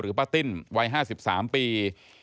หรือประตินวัย๕๓ปี